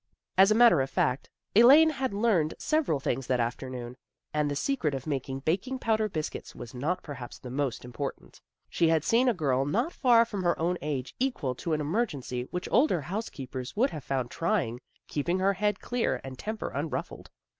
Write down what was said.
As a matter of fact, Elaine had learned sev eral things that afternoon, and the secret of making baking powder biscuits was not perhaps the most important. She had seen a girl not far from her own age equal to an emergency which older housekeepers would have found trying, keeping her head clear and temper un ruffled.